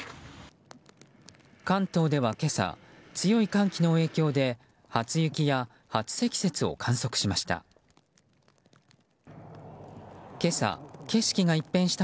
関東では今朝強い寒気の影響で初雪や初積雪を観測しました。